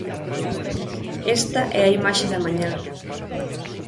Esta é a imaxe da mañá.